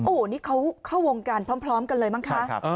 โอ้โหนี่เขาเข้าวงการพร้อมกันเลยมั้งคะ